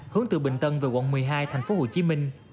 hướng từ bình tân về quận một mươi hai thành phố hồ chí minh